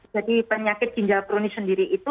jadi penyakit ginjal kronis sendiri itu